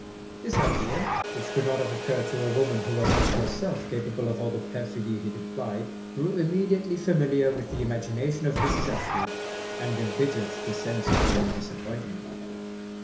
This idea, which could not have occurred to a woman who was not herself capable of all the perfidy it implied, grew immediately familiar with the imagination of Mrs. Ashwood, and embittered the sense of her own disappointment.